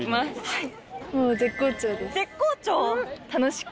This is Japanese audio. はい。